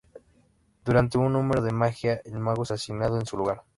Durante un número de magia, el mago es asesinado en su lugar.